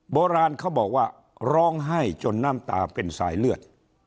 โบราณเขาบอกว่าร้องไห้จนน้ำตาเป็นสายเลือด